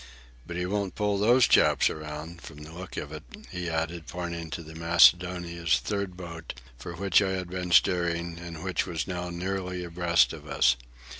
"But he won't pull those chaps around, from the look of it," he added, pointing at the Macedonia's third boat, for which I had been steering and which was now nearly abreast of us.